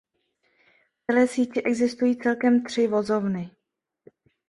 V celé síti existují celkem tři vozovny.